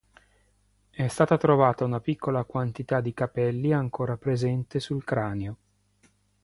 È stata trovata una piccola quantità di capelli ancora presente sul cranio.